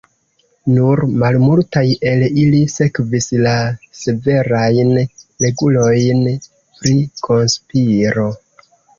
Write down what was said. Nur malmultaj el ili sekvis la severajn regulojn pri konspiro.